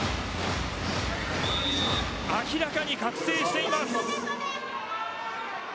明らかに覚醒しています。